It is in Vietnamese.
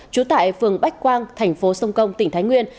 trú tại phường bách quang thành phố sông công tỉnh thái nguyên